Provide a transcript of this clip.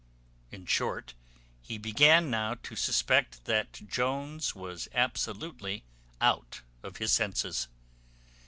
In short, he began now to suspect that Jones was absolutely out of his senses.